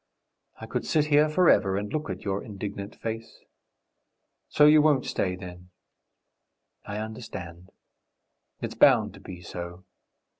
I could sit here forever and look at your indignant face.... So you won't stay, then? I understand.... It's bound to be so